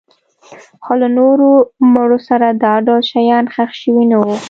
خو له نورو مړو سره دا ډول شیان ښخ شوي نه وو